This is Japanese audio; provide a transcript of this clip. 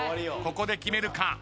ここで決めるか？